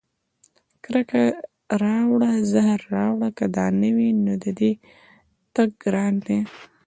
کرکه راوړه زهر راوړه که دا نه وي، نو د دې تګ ګران دی